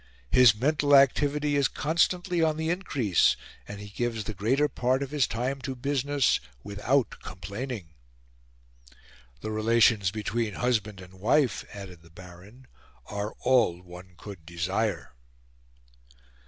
His mental activity is constantly on the increase, and he gives the greater part of his time to business, without complaining." "The relations between husband and wife," added the Baron, "are all one could desire."